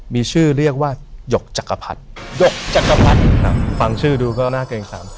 มีชื่อเรียกว่าหยกจักรพรรดิหยกจักรพรรดิฟังชื่อดูก็น่าเกรงสาม